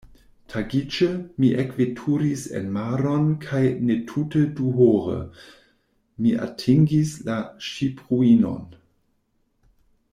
Tagiĝe, mi ekveturis enmaron kaj netute duhore, mi atingis la ŝipruinon.